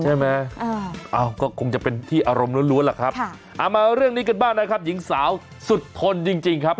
ใช่ไหมก็คงจะเป็นที่อารมณ์ล้วนล่ะครับเอามาเรื่องนี้กันบ้างนะครับหญิงสาวสุดทนจริงครับ